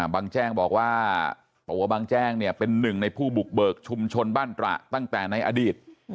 บางแจ้งบอกว่าตัวบางแจ้งเนี่ยเป็นหนึ่งในผู้บุกเบิกชุมชนบ้านตระตั้งแต่ในอดีต